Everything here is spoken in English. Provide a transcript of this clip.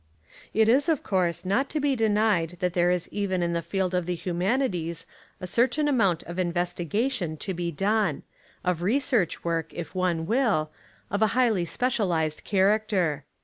It is of course not to be denied that there is even in the field of the humanities a certain amount of investigation to be done — of re search work, if one will — of a highly special ised character.